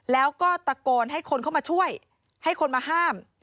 แล้วก็ตะโกนให้คนเข้ามาช่วยให้คนมาห้าม